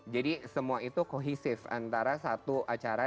jadi semua itu kohesif antara satu acara